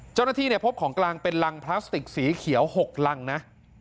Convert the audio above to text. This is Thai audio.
เจ้าหน้าที่พบของกลางเป็นรังพลาสติกสีเขียว๖รังนะ